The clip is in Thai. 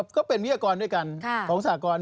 ก็เป็นวิทยากรด้วยกันของสากร